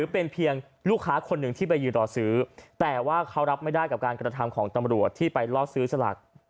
เป็นเพียงลูกค้าคนหนึ่งที่ไปยืนรอซื้อแต่ว่าเขารับไม่ได้กับการกระทำของตำรวจที่ไปล่อซื้อสลาก